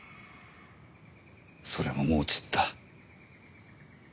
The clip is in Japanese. それももう散った。